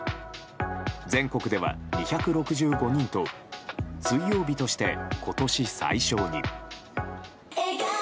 全国では、２６５人と水曜日として今年最少に。